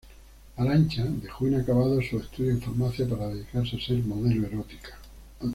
Arancha dejó inacabados sus estudios de Farmacia para dedicarse a ser modelo erótica.